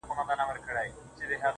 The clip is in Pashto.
• بس ده د خداى لپاره زړه مي مه خوره.